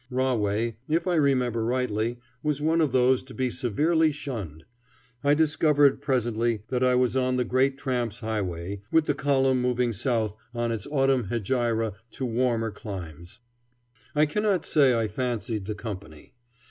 Rahway, if I remember rightly, was one of those to be severely shunned. I discovered presently that I was on the great tramps' highway, with the column moving south on its autumn hegira to warmer climes. I cannot say I fancied the company.